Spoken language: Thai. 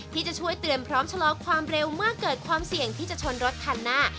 ที่จะช่วยเตือนพร้อมชะลอความเร็วเมื่อเกิดความเสี่ยงที่จะชนรถคันหน้า